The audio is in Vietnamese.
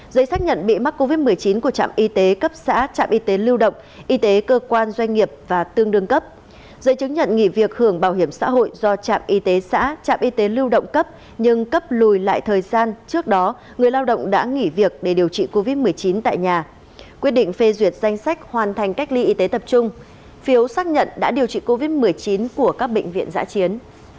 giấy xác nhận bị mắc covid một mươi chín của trạm y tế cấp xã trạm y tế lưu động y tế cơ quan doanh nghiệp và tương đương cấp giấy chứng nhận nghỉ việc hưởng bảo hiểm xã hội do trạm y tế xã trạm y tế lưu động cấp nhưng cấp lùi lại thời gian trước đó người lao động đã nghỉ việc để điều trị covid một mươi chín tại nhà quyết định phê duyệt danh sách hoàn thành cách ly y tế tập trung phiếu xác nhận đã điều trị covid một mươi chín của các bệnh viện giã chiến